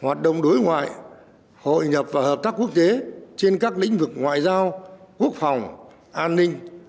hoạt động đối ngoại hội nhập và hợp tác quốc tế trên các lĩnh vực ngoại giao quốc phòng an ninh